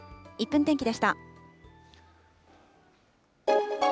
１分天気でした。